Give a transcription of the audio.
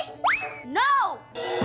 eh sadar dong